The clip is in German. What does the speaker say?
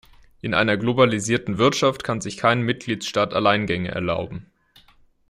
In einer globalisierten Wirtschaft kann sich kein Mitgliedstaat Alleingänge erlauben.